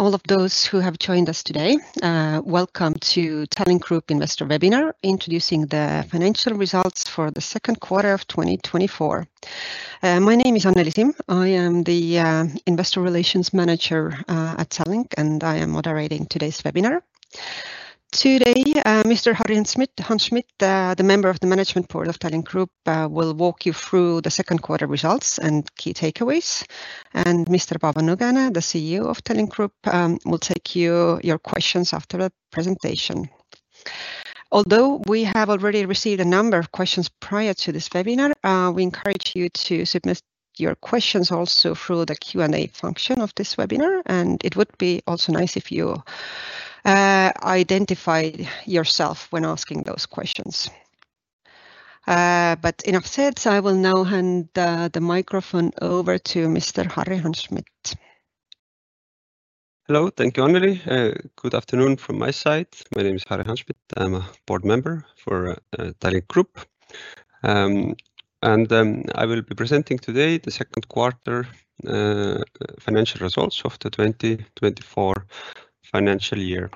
All of those who have joined us today, welcome to Tallink Grupp Investor Webinar, introducing the financial results for the second quarter of 2024. My name is Anneli Simm. I am the Investor Relations Manager at Tallink, and I am moderating today's webinar. Today, Mr. Harri Hanschmidt, the member of the Management Board of Tallink Grupp, will walk you through the second quarter results and key takeaways. Mr. Paavo Nõgene, the CEO of Tallink Grupp, will take your questions after the presentation. Although we have already received a number of questions prior to this webinar, we encourage you to submit your questions also through the Q&A function of this webinar, and it would be also nice if you identify yourself when asking those questions. But enough said, I will now hand the microphone over to Mr. Harri Hanschmidt. Hello. Thank you, Anneli. Good afternoon from my side. My name is Harri Hanschmidt. I'm a board member for Tallink Grupp. I will be presenting today the second quarter financial results of the 2024 financial year.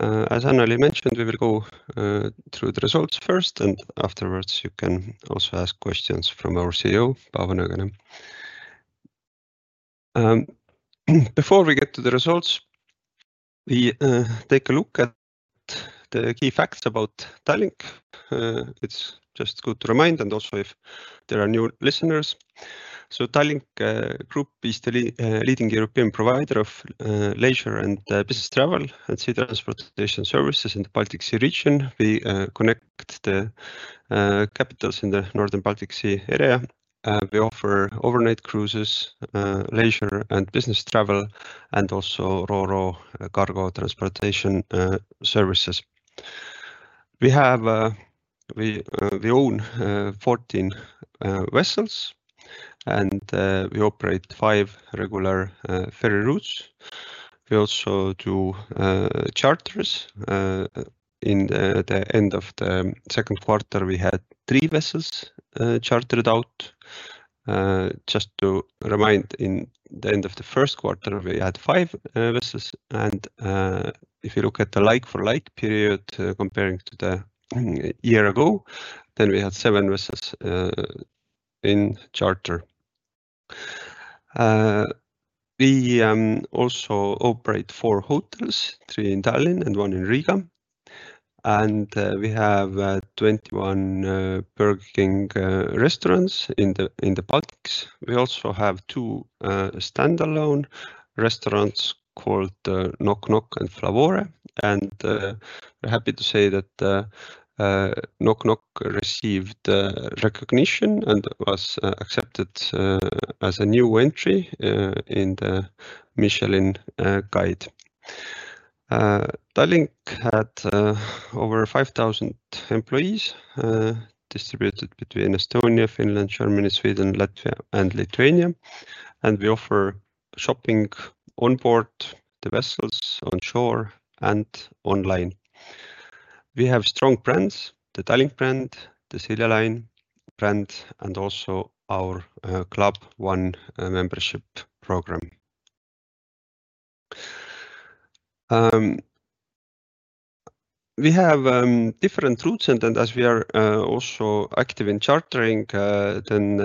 As Anneli mentioned, we will go through the results first, and afterwards, you can also ask questions from our CEO, Paavo Nõgene. Before we get to the results, we take a look at the key facts about Tallink. It's just good to remind, and also if there are new listeners. So Tallink Grupp is the leading European provider of leisure and business travel and sea transportation services in the Baltic Sea region. We connect the capitals in the northern Baltic Sea area, and we offer overnight cruises, leisure and business travel, and also Ro-Ro cargo transportation services. We own 14 vessels, and we operate five regular ferry routes. We also do charters. In the end of the second quarter, we had three vessels chartered out. Just to remind, in the end of the first quarter, we had five vessels, and if you look at the like-for-like period comparing to the year ago, then we had seven vessels in charter. We also operate four hotels, three in Tallinn and one in Riga. We have 21 Burger King restaurants in the Baltics. We also have two standalone restaurants called Nok Nok and Flavore. We're happy to say that Nok Nok received recognition and was accepted as a new entry in the Michelin Guide. Tallink had over 5,000 employees distributed between Estonia, Finland, Germany, Sweden, Latvia, and Lithuania, and we offer shopping on board the vessels, on shore, and online. We have strong brands, the Tallink brand, the Silja Line brand, and also our Club One membership program. We have different routes, and then as we are also active in chartering, then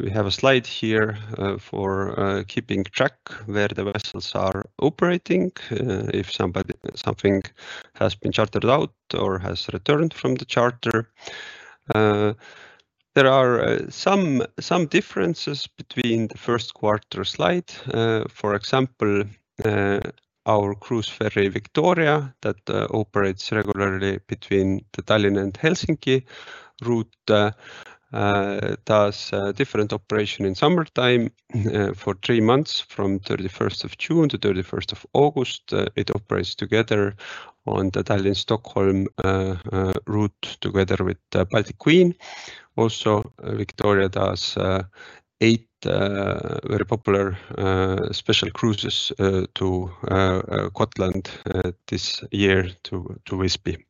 we have a slide here for keeping track where the vessels are operating, if something has been chartered out or has returned from the charter. There are some differences between the first quarter slide. For example, our cruise ferry, Victoria, that operates regularly between the Tallinn and Helsinki route, does different operation in summertime, for three months, from 31st of June to 31st of August. It operates together on the Tallinn-Stockholm route together with Baltic Queen. Also, Victoria does eight very popular special cruises to Gotland this year to Visby.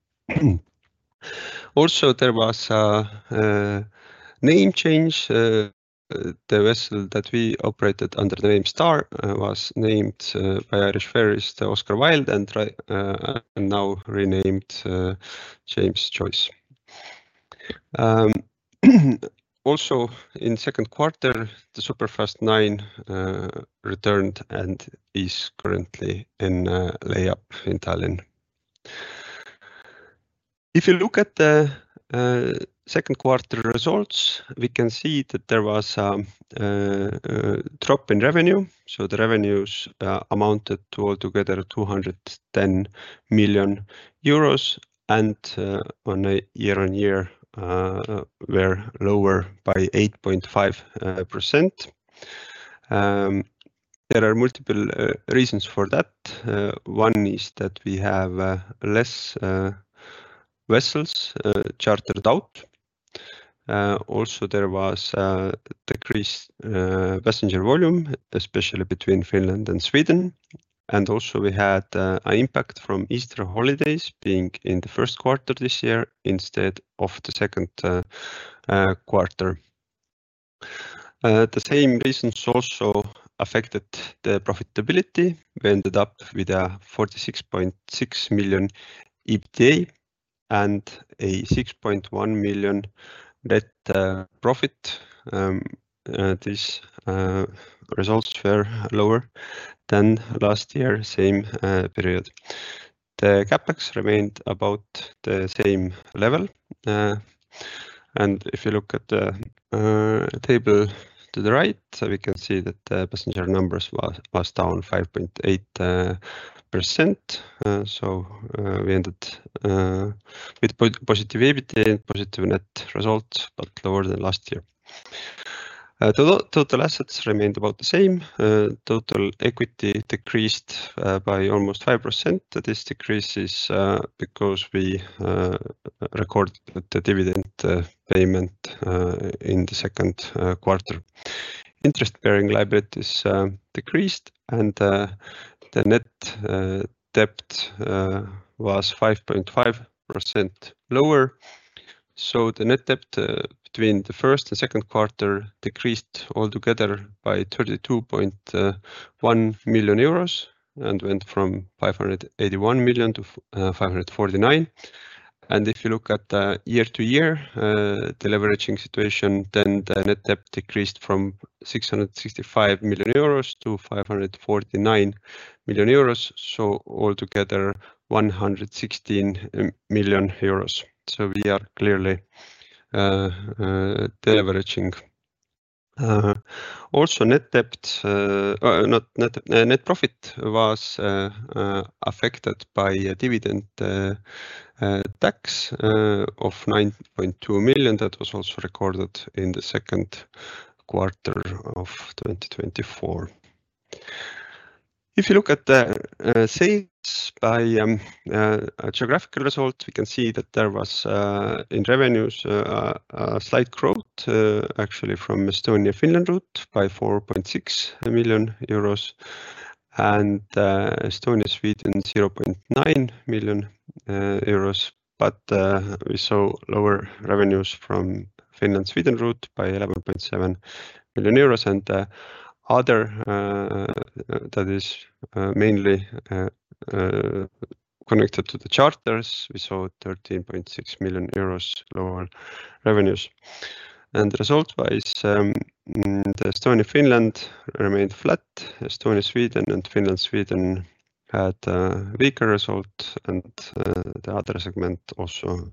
Also, there was a name change. The vessel that we operated under the name Star was named by Irish Ferries the Oscar Wilde, and now renamed James Joyce. Also in second quarter, the Superfast IX returned and is currently in lay-up in Tallinn. If you look at the second quarter results, we can see that there was drop in revenue. So the revenues amounted to altogether 210 million euros and, on a year-on-year, were lower by 8.5%. There are multiple reasons for that. One is that we have less vessels chartered out. Also, there was decreased passenger volume, especially between Finland and Sweden. And also we had an impact from Easter holidays being in the first quarter this year instead of the second quarter. The same reasons also affected the profitability. We ended up with a 46.6 million EBITDA and a 6.1 million net profit. These results were lower than last year, same period. The CapEx remained about the same level. And if you look at the table to the right, so we can see that the passenger numbers was down 5.8%. So we ended with positive EBITDA and positive net results, but lower than last year. The total assets remained about the same. Total equity decreased by almost 5%. This decrease is because we recorded the dividend payment in the second quarter. Interest-bearing liabilities decreased and the net debt was 5.5% lower. So the net debt between the first and second quarter decreased altogether by 32.1 million euros and went from 581 million to 549 million. If you look at the year-over-year leverage situation, then the net debt decreased from 665 million euros to 549 million euros. So altogether, 116 million euros. So we are clearly deleveraging. Also, net profit was affected by a dividend tax of 9.2 million. That was also recorded in the second quarter of 2024. If you look at the sales by geographical results, we can see that there was in revenues a slight growth actually from Estonia-Finland route by 4.6 million euros, and Estonia-Sweden, 0.9 million euros. But we saw lower revenues from Finland-Sweden route by 11.7 million euros. Other, that is, mainly connected to the charters, we saw 13.6 million euros lower revenues. Result-wise, the Estonia-Finland remained flat. Estonia-Sweden and Finland-Sweden had a weaker result, and the other segment also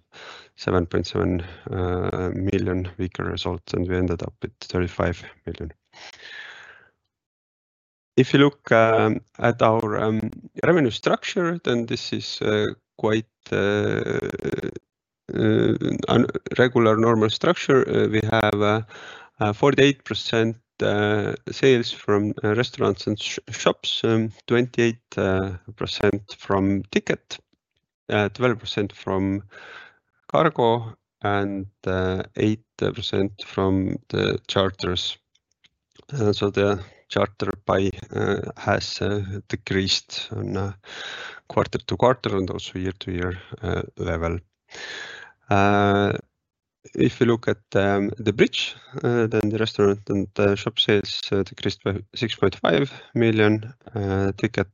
7.7 million weaker results, and we ended up with 35 million. If you look at our revenue structure, then this is quite regular, normal structure. We have 48% sales from restaurants and shops, 28% from ticket, 12% from cargo, and 8% from the charters. So the charter pie has decreased on a quarter-over-quarter and also year-over-year level. If you look at The Bridge, then the restaurant and shop sales decreased by 6.5 million, ticket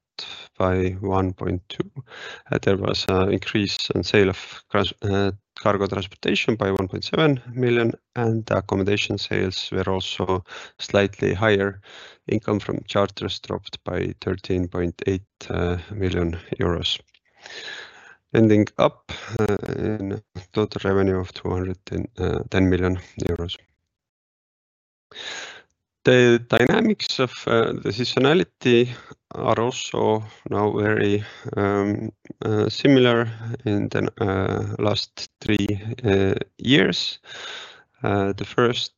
by 1.2 million. There was an increase in sale of cruise cargo transportation by 1.7 million, and accommodation sales were also slightly higher. Income from charters dropped by 13.8 million euros, ending up in total revenue of 210 million euros. The dynamics of the seasonality are also now very similar in the last three years. The first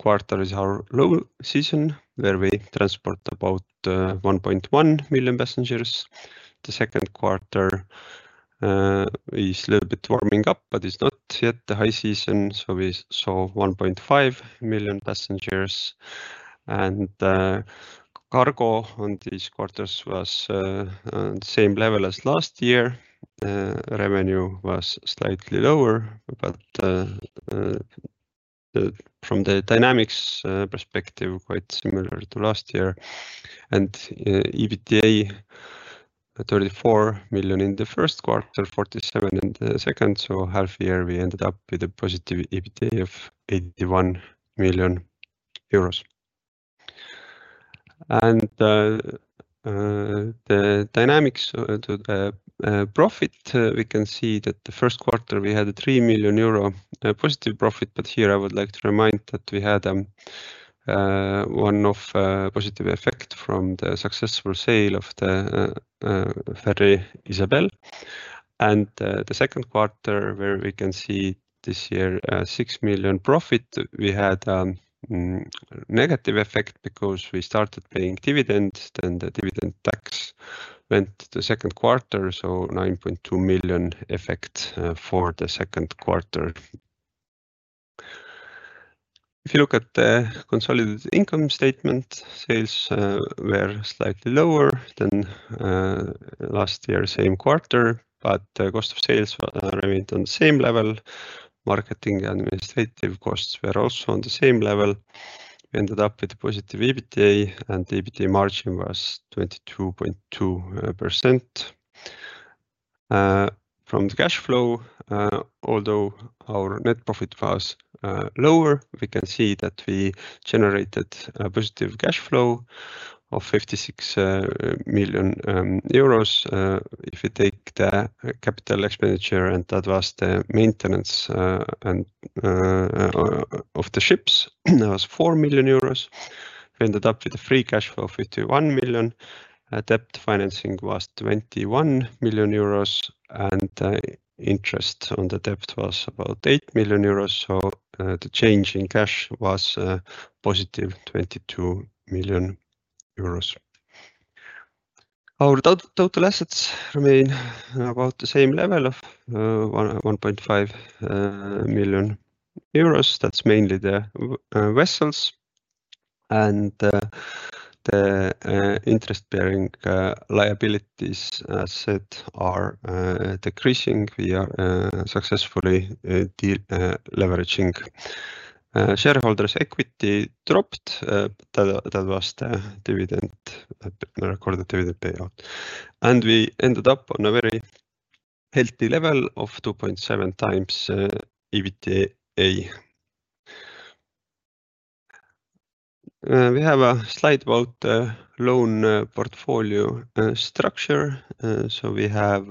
quarter is our low season, where we transport about 1.1 million passengers. The second quarter is a little bit warming up, but it's not yet the high season, so we saw 1.5 million passengers. Cargo on these quarters was on the same level as last year. Revenue was slightly lower, but from the dynamics perspective, quite similar to last year. And EBITDA, 34 million in the first quarter, 47 in the second. So half year, we ended up with a positive EBITDA of 81 million euros. And the dynamics to the profit, we can see that the first quarter we had a 3 million euro positive profit. But here, I would like to remind that we had one of positive effect from the successful sale of the ferry Isabelle. The second quarter, where we can see this year, 6 million profit, we had negative effect because we started paying dividends, then the dividend tax went to the second quarter, so 9.2 million effect for the second quarter. If you look at the consolidated income statement, sales were slightly lower than last year, same quarter, but the cost of sales remained on the same level. Marketing and administrative costs were also on the same level. We ended up with a positive EBITDA, and EBITDA margin was 22.2%. From the cash flow, although our net profit was lower, we can see that we generated a positive cash flow of 56 million euros. If you take the capital expenditure, and that was the maintenance and of the ships, that was 4 million euros. We ended up with a free cash flow of 51 million. Debt financing was 21 million euros, and interest on the debt was about 8 million euros. So, the change in cash was positive 22 million euros. Our total assets remain about the same level of 1.5 million euros. That's mainly the vessels and the interest-bearing liabilities, as said, are decreasing. We are successfully deleveraging. Shareholders' equity dropped, that was the dividend recorded dividend payout, and we ended up on a very healthy level of 2.7x EBITDA. We have a slide about the loan portfolio structure. So we have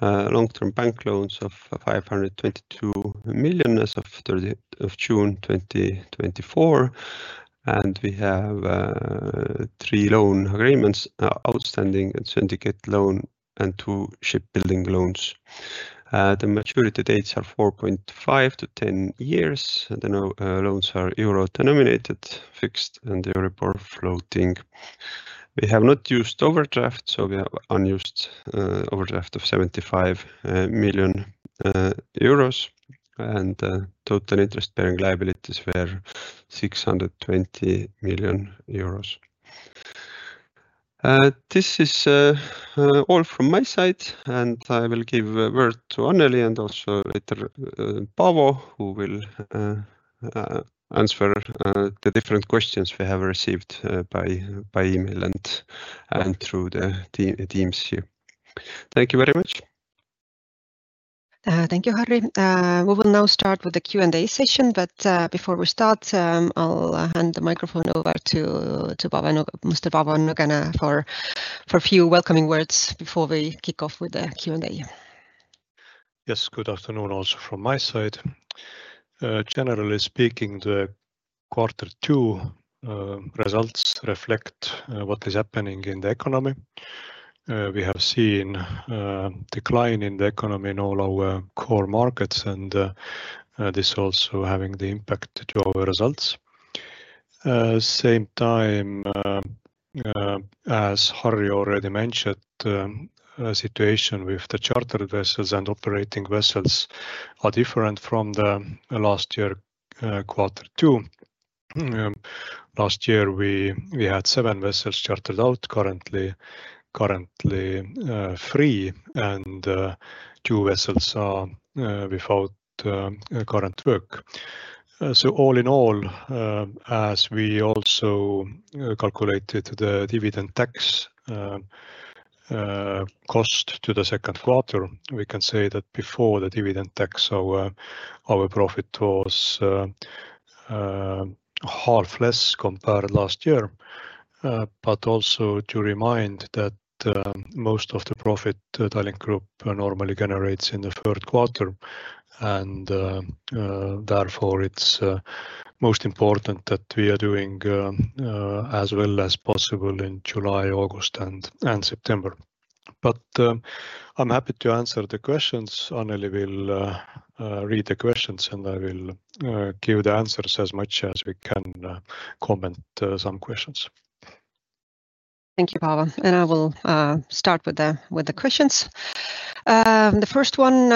long-term bank loans of 522 million as of 30 June 2024, and we have three loan agreements outstanding, a syndicate loan, and two shipbuilding loans. The maturity dates are 4.5-10 years, and the loans are euro-denominated, fixed, and Euribor floating. We have not used overdraft, so we have unused overdraft of 75 million euros, and total interest-bearing liabilities were 620 million euros. This is all from my side, and I will give word to Anneli and also later Paavo, who will answer the different questions we have received by email and through the Teams view. Thank you very much. Thank you, Harri. We will now start with the Q&A session, but before we start, I'll hand the microphone over to Paavo, Mr. Paavo Nõgene, for a few welcoming words before we kick off with the Q&A. Yes, good afternoon also from my side. Generally speaking, the quarter two results reflect what is happening in the economy. We have seen decline in the economy in all our core markets, and this also having the impact to our results. Same time, as Harri already mentioned, the situation with the charter vessels and operating vessels are different from the last year, quarter two. Last year, we had 7 vessels chartered out, currently 3, and 2 vessels are without current work. So all in all, as we also calculated the dividend tax cost to the second quarter, we can say that before the dividend tax, our profit was half less compared last year. But also to remind that most of the profit Tallink Grupp normally generates in the third quarter and therefore it's most important that we are doing as well as possible in July, August, and September. But I'm happy to answer the questions. Anneli will read the questions, and I will give the answers as much as we can comment some questions. Thank you, Paavo, and I will start with the questions. The first one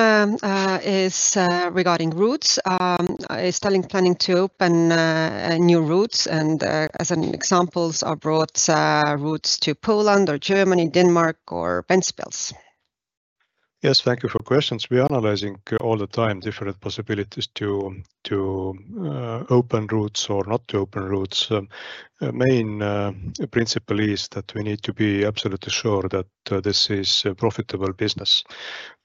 is regarding routes. Is Tallink planning to open new routes and, as an examples are routes to Poland or Germany, Denmark or Ventspils? Yes, thank you for questions. We are analyzing all the time different possibilities to open routes or not to open routes. Main principle is that we need to be absolutely sure that this is a profitable business.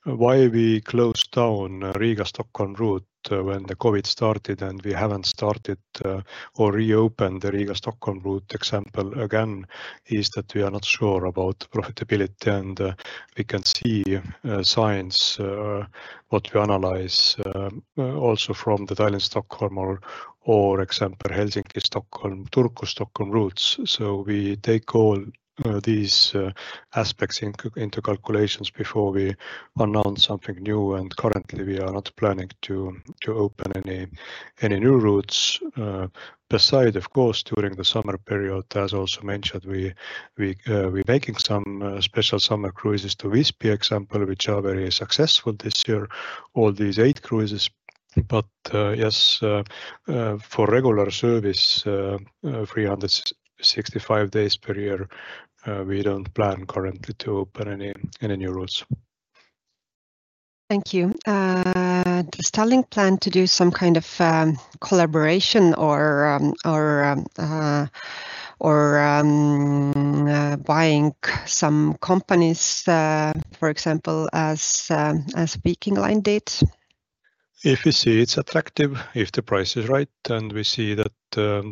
Why we closed down Riga-Stockholm route when the COVID started, and we haven't started or reopened the Riga-Stockholm route example again, is that we are not sure about profitability and we can see signs what we analyze also from the Tallinn-Stockholm or example, Helsinki-Stockholm, Turku-Stockholm routes. So we take all these aspects into calculations before we announce something new, and currently, we are not planning to open any new routes. Besides, of course, during the summer period, as also mentioned, we're making some special summer cruises to Visby, for example, which are very successful this year. All these eight cruises... But, yes, for regular service, 365 days per year, we don't plan currently to open any new routes. Thank you. Does Tallink plan to do some kind of collaboration or buying some companies, for example, as Viking Line did? If we see it's attractive, if the price is right, and we see that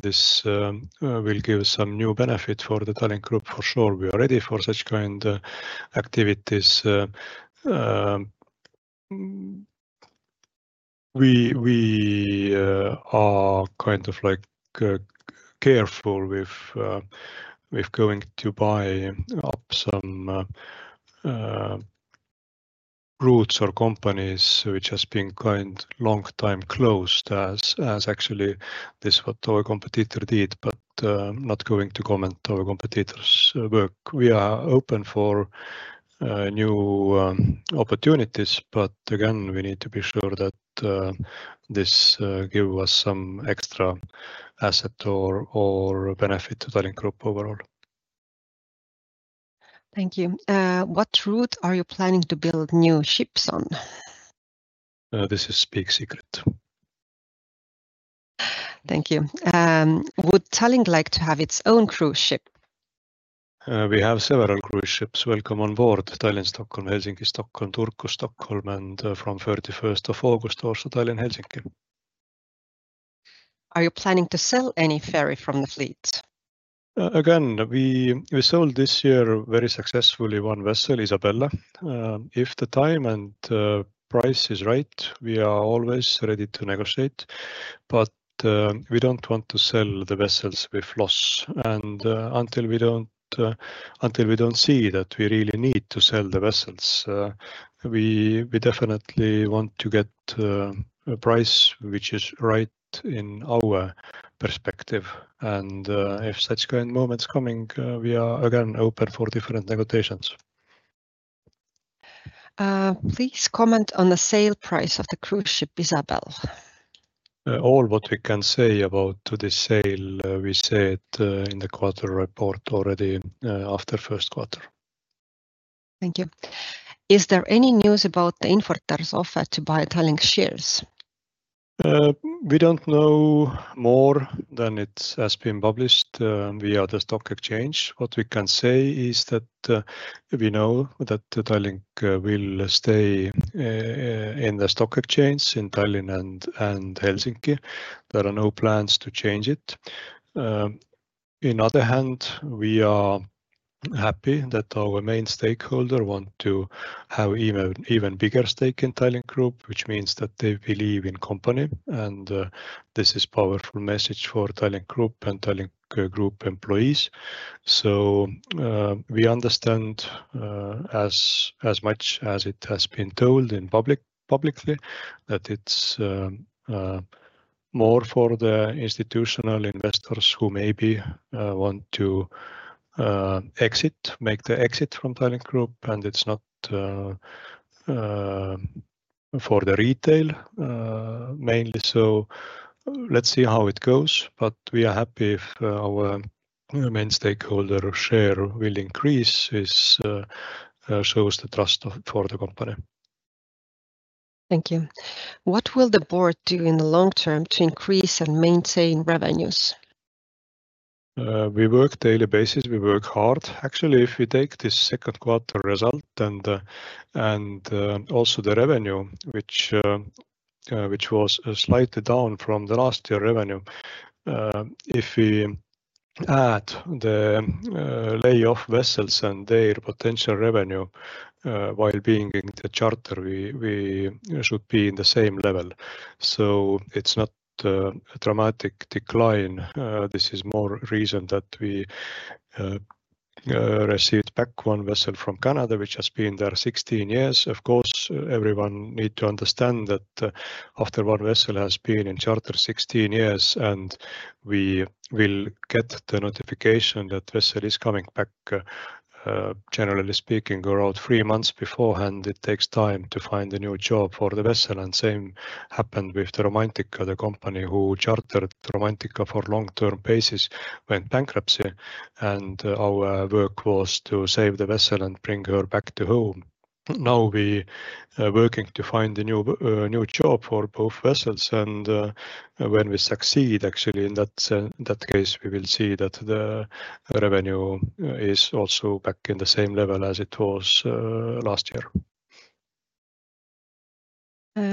this will give some new benefit for the Tallink Grupp, for sure, we are ready for such kind activities. We are kind of, like, careful with going to buy up some routes or companies which has been kind long time closed as actually this what our competitor did, but not going to comment our competitor's work. We are open for new opportunities, but again, we need to be sure that this give us some extra asset or benefit to Tallink Grupp overall. Thank you. What route are you planning to build new ships on? This is big secret. Thank you. Would Tallink like to have its own cruise ship? We have several cruise ships. Welcome on board Tallin-Stockholm, Helsinki-Stockholm, Turku-Stockholm, and from 31st of August, also Tallin-Helsinki. Are you planning to sell any ferry from the fleet? Again, we sold this year very successfully one vessel, Isabelle. If the time and price is right, we are always ready to negotiate, but we don't want to sell the vessels with loss. Until we don't see that we really need to sell the vessels, we definitely want to get a price which is right in our perspective, and if such current moment is coming, we are again open for different negotiations. Please comment on the sale price of the cruise ship, Isabelle. All what we can say about this sale, we said in the quarter report already, after first quarter. Thank you. Is there any news about the Infortar's offer to buy Tallink shares? We don't know more than it has been published via the stock exchange. What we can say is that we know that Tallink will stay in the stock exchange in Tallinn and Helsinki. There are no plans to change it. On the other hand, we are happy that our main stakeholder want to have even bigger stake in Tallink Grupp, which means that they believe in company, and this is powerful message for Tallink Grupp and Tallink Grupp employees. So, we understand as much as it has been told publicly that it's more for the institutional investors who maybe want to exit, make the exit from Tallink Grupp, and it's not for the retail mainly. So let's see how it goes, but we are happy if our main stakeholder share will increase. This shows the trust for the company. Thank you. What will the board do in the long term to increase and maintain revenues? We work daily basis. We work hard. Actually, if you take this second quarter result and also the revenue, which was slightly down from the last year revenue, if we add the lay-off vessels and their potential revenue while being in the charter, we should be in the same level. So it's not a dramatic decline. This is more reason that we received back one vessel from Canada, which has been there 16 years. Of course, everyone need to understand that, after one vessel has been in charter 16 years, and we will get the notification that vessel is coming back, generally speaking, around three months beforehand, it takes time to find a new job for the vessel. Same happened with the Romantika, the company who chartered Romantika for long-term basis, went bankrupt, and our work was to save the vessel and bring her back to home. Now, we are working to find a new, new job for both vessels, and, when we succeed, actually, in that, in that case, we will see that the revenue is also back in the same level as it was, last year.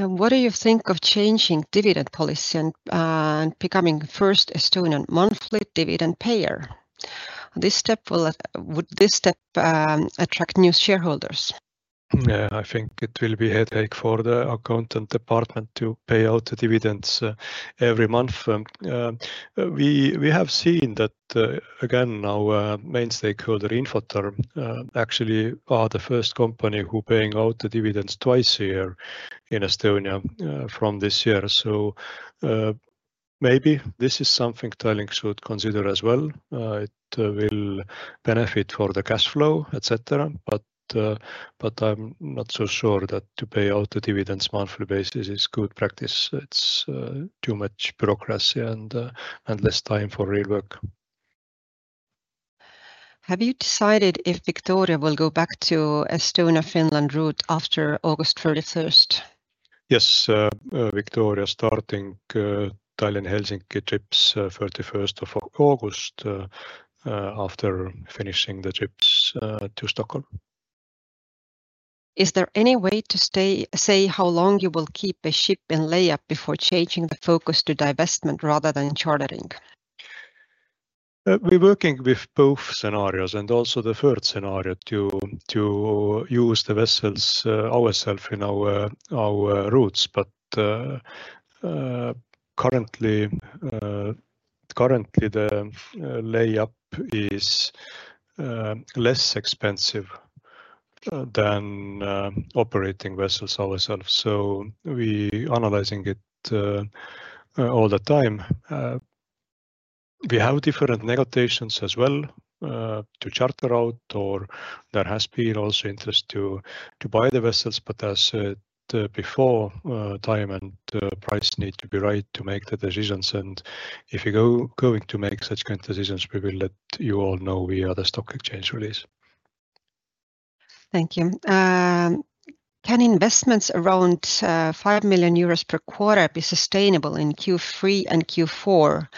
What do you think of changing dividend policy and becoming first Estonian monthly dividend payer? Would this step attract new shareholders? Yeah, I think it will be headache for the accountant department to pay out the dividends every month. We have seen that, again, our main stakeholder, Infortar, actually are the first company who paying out the dividends twice a year in Estonia from this year. So, maybe this is something Tallink should consider as well. It will benefit for the cash flow, et cetera, but I'm not so sure that to pay out the dividends monthly basis is good practice. It's too much bureaucracy and less time for real work. Have you decided if Victoria will go back to Estonia-Finland route after August 31st? Yes. Victoria starting Tallinn-Helsinki trips after finishing the trips to Stockholm. Is there any way to say how long you will keep a ship in lay-up before changing the focus to divestment rather than chartering? We're working with both scenarios, and also the third scenario, to use the vessels ourselves in our routes. But currently, the layup is less expensive than operating vessels ourselves. So we're analyzing it all the time. We have different negotiations as well to charter out, or there has been also interest to buy the vessels. But as before, time and price need to be right to make the decisions, and if we're going to make such kind of decisions, we will let you all know via the stock exchange release. Thank you. Can investments around 5 million euros per quarter be sustainable in Q3 and Q4?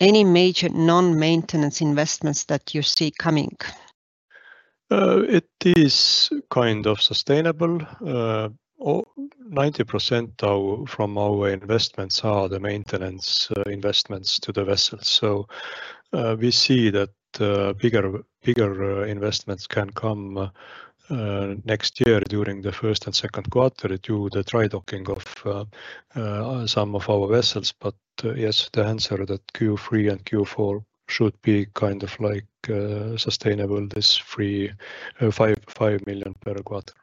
Any major non-maintenance investments that you see coming? It is kind of sustainable. 90% of our investments are the maintenance investments to the vessels. So, we see that bigger investments can come next year during the first and second quarter to the dry docking of some of our vessels. But, yes, the answer that Q3 and Q4 should be kind of like sustainable, EUR 3 million to 5 million per quarter.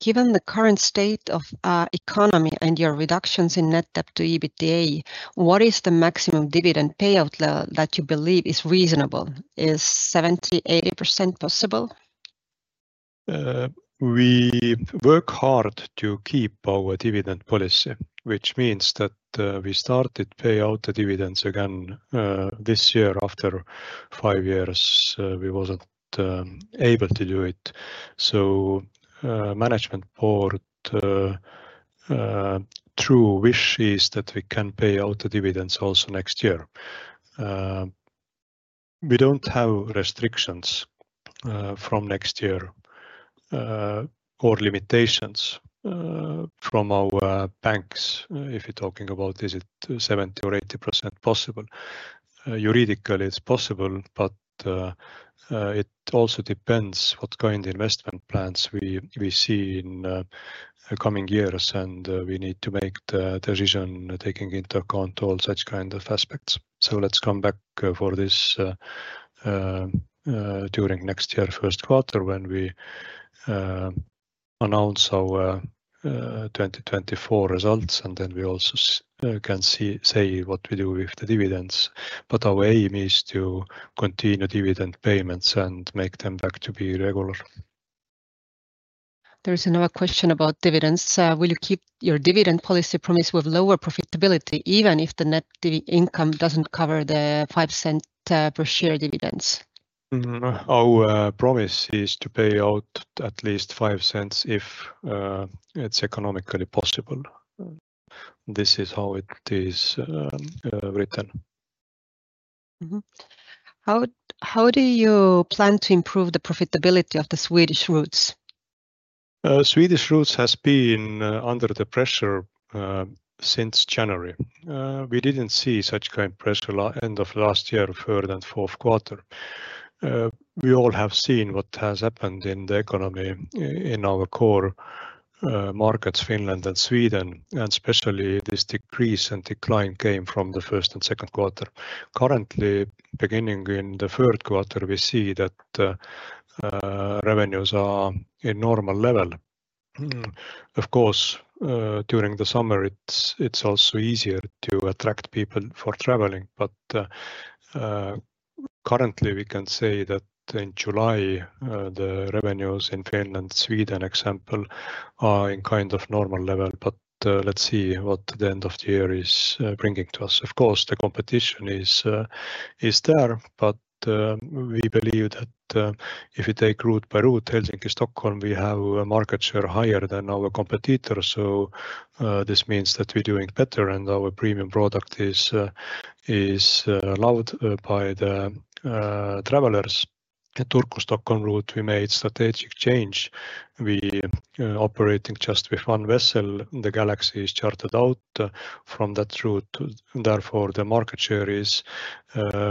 Given the current state of our economy and your reductions in net debt to EBITDA, what is the maximum dividend payout that you believe is reasonable? Is 70%-80% possible? We work hard to keep our dividend policy, which means that, we started pay out the dividends again, this year after five years, we wasn't able to do it. So management board true wish is that we can pay out the dividends also next year. We don't have restrictions, from next year, or limitations, from our banks. If you're talking about is it 70% or 80% possible? Juridically, it's possible, but, it also depends what kind investment plans we see in the coming years, and, we need to make the decision, taking into account all such kind of aspects. Let's come back to this during next year, first quarter, when we announce our 2024 results, and then we also can say what we do with the dividends. But our aim is to continue dividend payments and make them back to be regular. There is another question about dividends. Will you keep your dividend policy promise with lower profitability, even if the net income doesn't cover the 0.05 per share dividends? Our promise is to pay out at least 0.05 if it's economically possible. This is how it is written. Mm-hmm. How, how do you plan to improve the profitability of the Swedish routes? Swedish routes has been under the pressure since January. We didn't see such kind pressure end of last year, third and fourth quarter. We all have seen what has happened in the economy in our core markets, Finland and Sweden, and especially this decrease and decline came from the first and second quarter. Currently, beginning in the third quarter, we see that revenues are in normal level. Of course, during the summer, it's also easier to attract people for traveling. But currently, we can say that in July the revenues in Finland, Sweden example, are in kind of normal level, but let's see what the end of the year is bringing to us. Of course, the competition is there, but we believe that if you take route per route, Helsinki-Stockholm, we have a market share higher than our competitor. So this means that we're doing better, and our premium product is loved by the travelers. The Turku-Stockholm route, we made strategic change. We operating just with one vessel. The Galaxy is chartered out from that route. Therefore, the market share is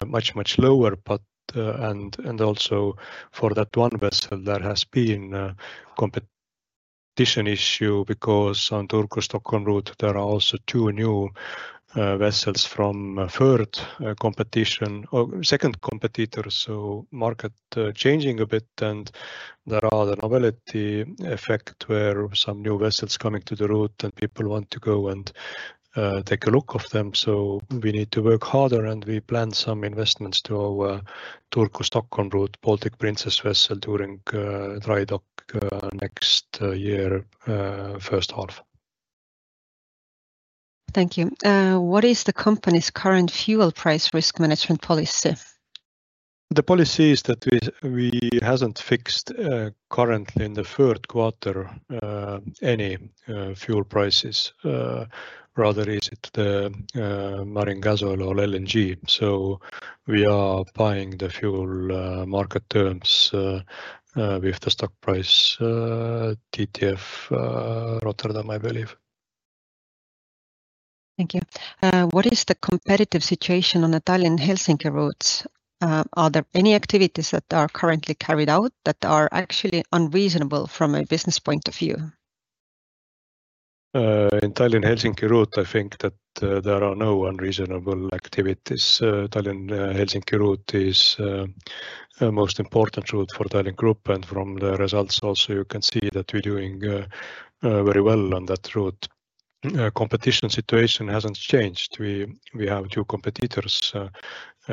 much, much lower. But and also for that one vessel, there has been a competition issue because on Turku-Stockholm route, there are also two new vessels from a third competition or second competitor. So market changing a bit, and there are the novelty effect, where some new vessels coming to the route, and people want to go and take a look of them. So we need to work harder, and we plan some investments to our Turku-Stockholm route, Baltic Princess vessel during dry dock next year, first half. Thank you. What is the company's current fuel price risk management policy? The policy is that we have not fixed, currently in the third quarter, any fuel prices, whether it is the marine gas oil or LNG. So we are buying the fuel market terms with the spot price TTF Rotterdam, I believe. Thank you. What is the competitive situation on the Tallinn-Helsinki routes? Are there any activities that are currently carried out that are actually unreasonable from a business point of view? In Tallinn-Helsinki route, I think that there are no unreasonable activities. Tallinn-Helsinki route is most important route for Tallink Grupp, and from the results also, you can see that we're doing very well on that route. Competition situation hasn't changed. We have two competitors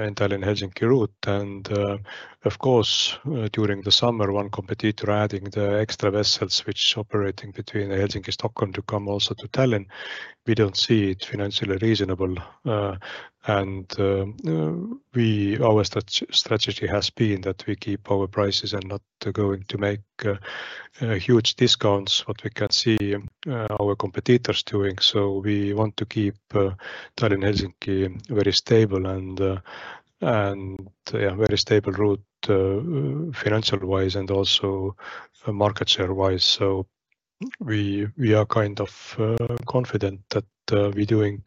in Tallinn-Helsinki route, and, of course, during the summer, one competitor adding the extra vessels which operating between Helsinki-Stockholm to come also to Tallinn. We don't see it financially reasonable. Our strategy has been that we keep our prices and not going to make huge discounts, what we can see our competitors doing. So we want to keep Tallinn-Helsinki very stable and, yeah, very stable route, financial-wise and also market share-wise. So we are kind of confident that we're doing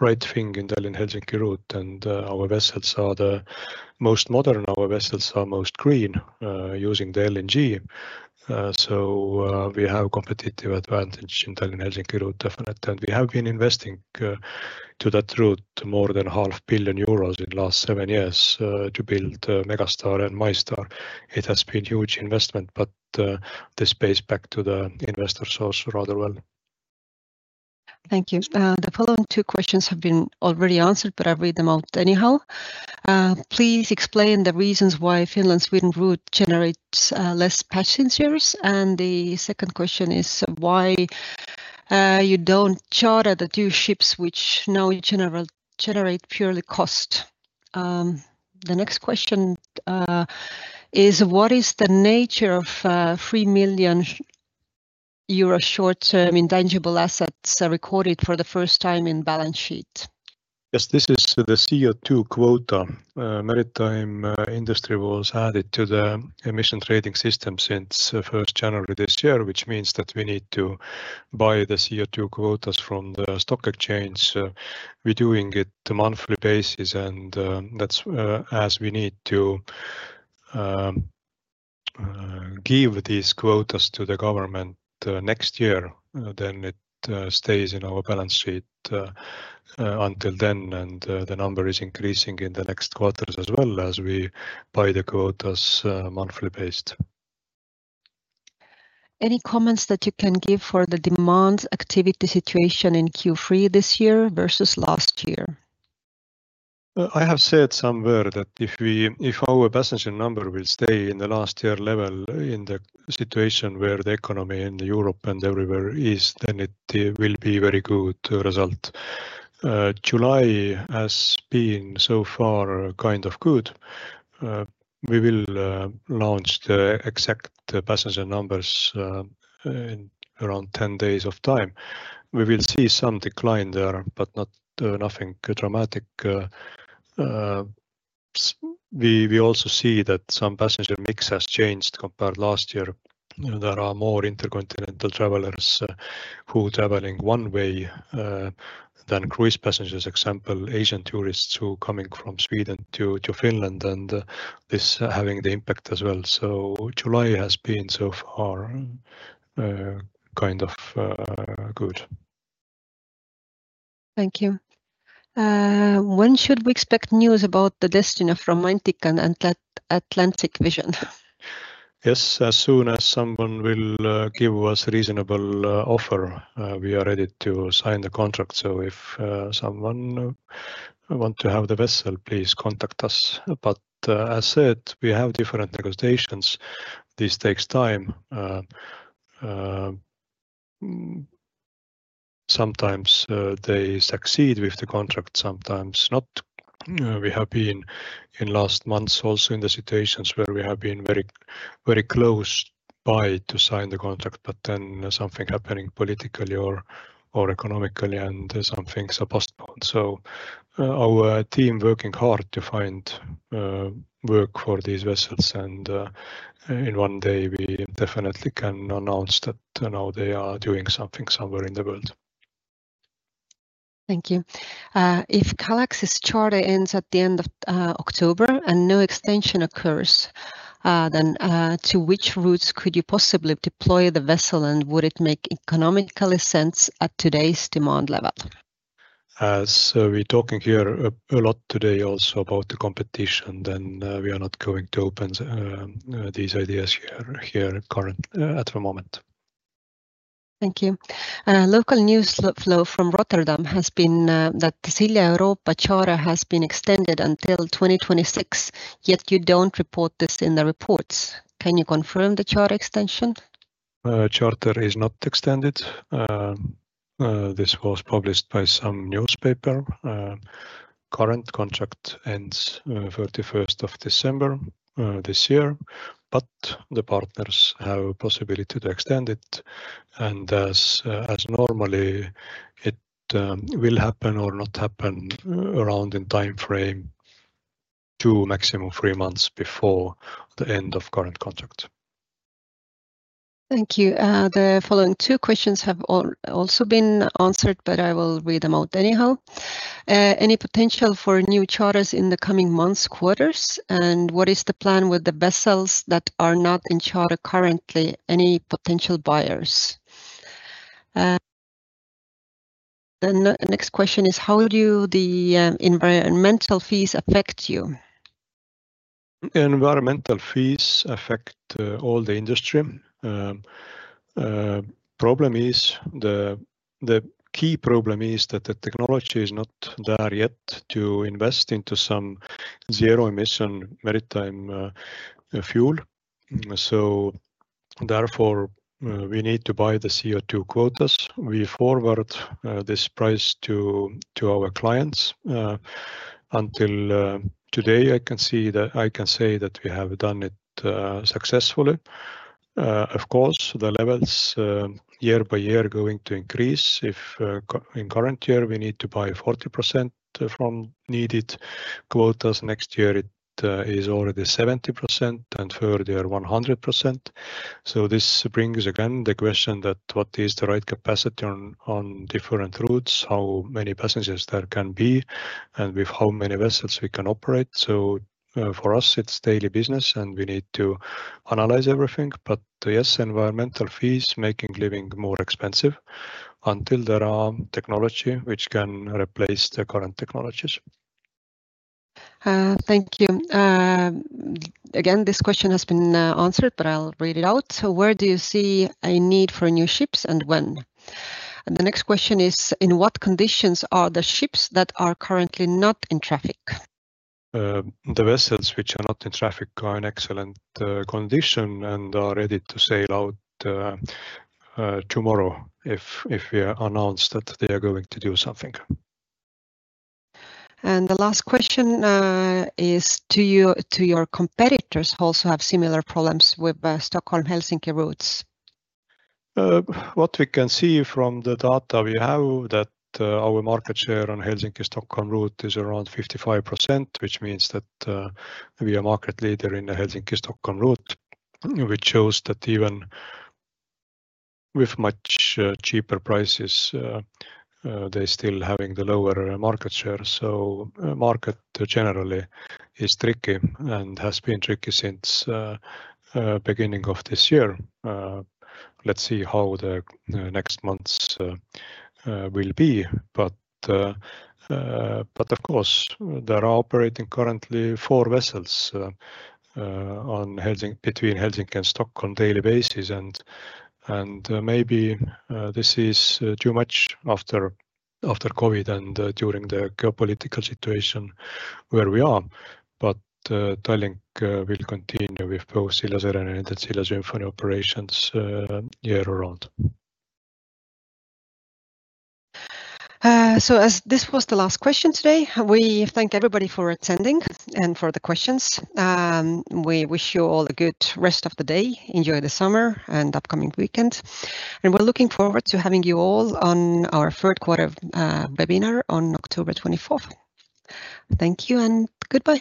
right thing in Tallinn-Helsinki route, and our vessels are the most modern, our vessels are most green, using the LNG. So we have competitive advantage in Tallinn-Helsinki route, definite, and we have been investing to that route more than 500 million euros in last 7 years to build Megastar and MyStar. It has been huge investment, but this pays back to the investor also rather well. Thank you. The following two questions have been already answered, but I read them out anyhow. Please explain the reasons why Finland-Sweden route generates less passengers, and the second question is why you don't charter the two ships which now generate purely cost? The next question is what is the nature of 3 million euro short-term intangible assets are recorded for the first time in balance sheet? Yes, this is the CO2 quota. Maritime industry was added to the Emissions Trading System since first January this year, which means that we need to buy the CO2 quotas from the stock exchange. We're doing it the monthly basis, and that's as we need to give these quotas to the government next year, then it stays in our balance sheet until then, and the number is increasing in the next quarters as well as we buy the quotas monthly based. Any comments that you can give for the demand activity situation in Q3 this year versus last year? I have said somewhere that if our passenger number will stay in the last year level, in the situation where the economy in Europe and everywhere is, then it will be very good result. July has been so far kind of good. We will launch the exact passenger numbers in around 10 days of time. We will see some decline there, but not nothing dramatic. We also see that some passenger mix has changed compared to last year. There are more intercontinental travelers who traveling one way than cruise passengers. Example, Asian tourists who coming from Sweden to Finland, and this having the impact as well. So July has been so far kind of good. Thank you. When should we expect news about the destiny of Romantika and Atlantic Vision? Yes, as soon as someone will give us reasonable offer, we are ready to sign the contract. So if someone want to have the vessel, please contact us. But, as said, we have different negotiations. This takes time. Sometimes they succeed with the contract, sometimes not. We have been, in last months also, in the situations where we have been very, very close by to sign the contract, but then something happening politically or, or economically, and something's postponed. So, our team working hard to find work for these vessels. And, in one day, we definitely can announce that now they are doing something somewhere in the world. Thank you. If Galaxy's charter ends at the end of October and no extension occurs, then to which routes could you possibly deploy the vessel, and would it make economically sense at today's demand level?... As we're talking here a lot today also about the competition, then we are not going to open these ideas here current at the moment. Thank you. Local news flow from Rotterdam has been that Silja Europa charter has been extended until 2026, yet you don't report this in the reports. Can you confirm the charter extension? Charter is not extended. This was published by some newspaper. Current contract ends thirty-first of December this year, but the partners have possibility to extend it. And as normally, it will happen or not happen around in time frame, two, maximum three months before the end of current contract. Thank you. The following two questions have also been answered, but I will read them out anyhow. Any potential for new charters in the coming months, quarters? And what is the plan with the vessels that are not in charter currently, any potential buyers? The next question is: How do the environmental fees affect you? Environmental fees affect all the industry. The key problem is that the technology is not there yet to invest into some zero-emission maritime fuel. So therefore, we need to buy the CO2 quotas. We forward this price to our clients. Until today, I can see that—I can say that we have done it successfully. Of course, the levels year by year are going to increase. In current year, we need to buy 40% from needed quotas. Next year, it is already 70% and further, 100%. So this brings again the question that what is the right capacity on different routes, how many passengers there can be, and with how many vessels we can operate? For us, it's daily business, and we need to analyze everything. But yes, environmental fees making living more expensive until there are technology which can replace the current technologies. Thank you. Again, this question has been answered, but I'll read it out. Where do you see a need for new ships, and when? The next question is: In what conditions are the ships that are currently not in traffic? The vessels which are not in traffic are in excellent condition and are ready to sail out tomorrow if we announce that they are going to do something. The last question is, do your competitors also have similar problems with Stockholm-Helsinki routes? What we can see from the data we have, that our market share on Helsinki-Stockholm route is around 55%, which means that we are market leader in the Helsinki-Stockholm route, which shows that even with much cheaper prices, they still having the lower market share. So market generally is tricky and has been tricky since beginning of this year. Let's see how the next months will be. But of course, there are operating currently four vessels between Helsinki and Stockholm daily basis, and maybe this is too much after COVID and during the geopolitical situation where we are. But Tallink will continue with both Silja Serenade and Silja Symphony operations year-round. As this was the last question today, we thank everybody for attending and for the questions. We wish you all a good rest of the day. Enjoy the summer and upcoming weekend, and we're looking forward to having you all on our third quarter webinar on October 24th. Thank you, and goodbye.